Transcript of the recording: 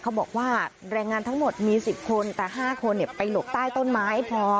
เขาบอกว่าแรงงานทั้งหมดมี๑๐คนแต่๕คนไปหลบใต้ต้นไม้พอ